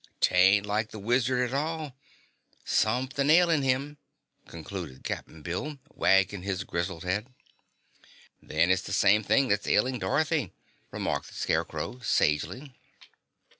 'Tain't like the Wizard at all. Somethin' ailin' him," concluded Cap'n Bill, wagging his grizzled head. "Then it's the same thing that's ailing Dorothy," remarked the Scarecrow sagely.